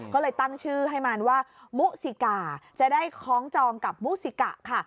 ก็เลยตั้งชื่อให้มันว่ามุสิกาจะได้คล้องจองกับมุสิกะค่ะ